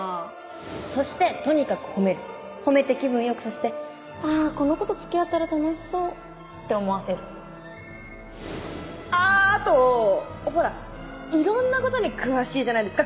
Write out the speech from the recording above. そしてとにかく褒める褒めて気分良くさせて「あこの子と付き合ったら楽しそう」って思わせるあとほらいろんなことに詳しいじゃないですか。